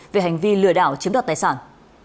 về hành vi lừa đảo chiếm đoạt tài sản